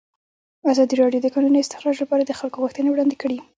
ازادي راډیو د د کانونو استخراج لپاره د خلکو غوښتنې وړاندې کړي.